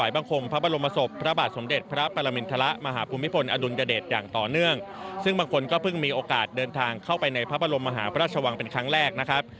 บางคนก็เพิ่งมีโอกาสเดินทางเข้าไปในพระบรมมหาพระราชวังเป็นครั้งแรกนะครับ